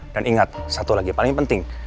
dan ingat satu lagi paling penting